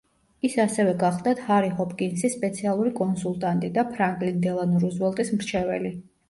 ის ასევე გახლდათ ჰარი ჰოპკინსის სპეციალური კონსულტანტი და ფრანკლინ დელანო რუზველტის მრჩეველი.